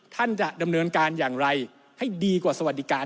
ท่านจะดำเนินการอย่างไรให้ดีกว่าสวัสดิการ